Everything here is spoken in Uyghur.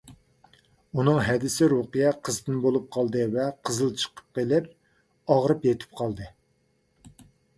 ئۇنىڭ ھەدىسى رۇقىيە قىزىتما بولۇپ قالدى ۋە قىزىل چىقىپ قېلىپ ئاغرىپ يېتىپ قالدى.